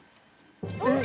えっ！？